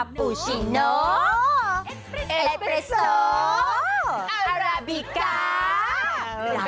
ปูชิโนเอสเปรสโนอาราบิก้า